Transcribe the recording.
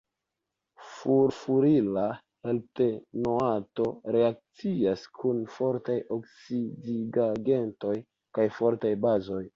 Furfurila heptanoato reakcias kun fortaj oksidigagentoj kaj fortaj bazoj.